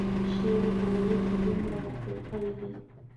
شعر یې په ولس کې دومره مقبول کړی دی.